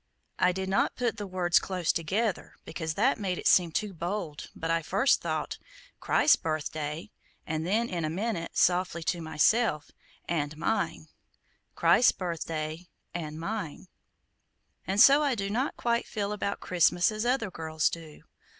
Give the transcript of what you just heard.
I did not put the words close together, because that made it seem too bold but I first thought, 'Christ's birthday,' and then, in a minute, softly to myself AND MINE!' 'Christ's birthday AND MINE!' And so I do not quite feel about Christmas as other girls do.